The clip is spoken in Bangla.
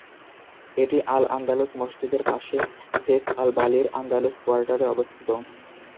এটি আল-আন্দালুস মসজিদের পাশে ফেস আল-বালির আন্দালুস কোয়ার্টারে অবস্থিত।